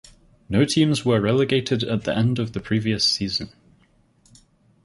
No teams were relegated at the end of the previous season.